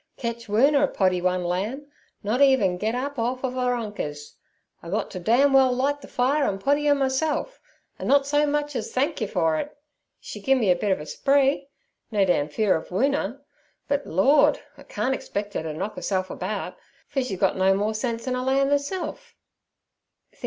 Ketch Woona poddy one lamb—not even get up orf ov 'er unkers! I got t' dam well light the fire and poddy 'er meself, an' not so much ez thenk yer for it. She gimme a bit ov er spree? No dam fear ov Woona—But, Lord! I can't expect 'er t' knock 'erself about, for she's got no more sense un a lamb 'erself.'